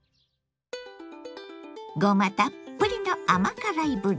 ごまたっぷりの甘辛いぶり。